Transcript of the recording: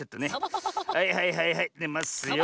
はいはいはいはいでますよ。